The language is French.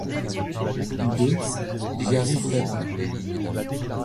De j’y arriverai pas.